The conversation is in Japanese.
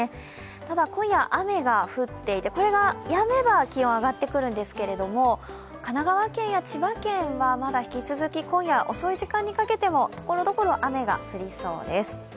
ただ、今夜雨が降っていてこれがやめば気温は上がってくるんですけれども、神奈川県や千葉県は引き続き、今夜遅い時間にかけてもところどころ雨が降りそうです。